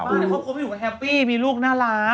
เขาก็ไม่อยู่แฮปปี้มีลูกน่ารัก